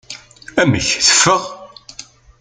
Amek teffeɣ?